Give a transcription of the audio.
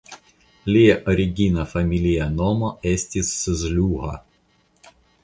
Lia origina familia nomo estis "Szluha".